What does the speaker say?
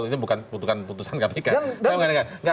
ini bukan putusan kpk